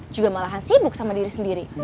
juga malahan sibuk sama diri sendiri